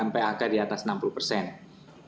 oke mas emil bagaimana cara anda mengejar vaksin kedua